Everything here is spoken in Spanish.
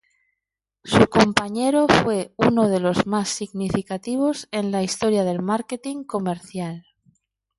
Su compañero fue uno de los más significativos en la historia del marketing comercial.